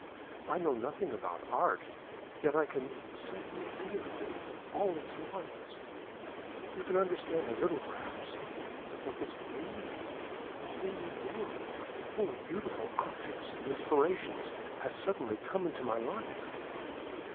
I know nothing about art, yet I can suddenly feel it and all its marvels. You can understand a little, perhaps, what this means? A whole new world, full of beautiful objects and inspirations, has suddenly come into my life."